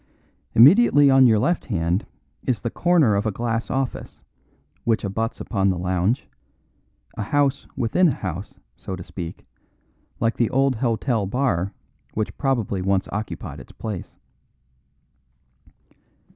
Immediately on your left hand is the corner of a glass office, which abuts upon the lounge a house within a house, so to speak, like the old hotel bar which probably once occupied its place.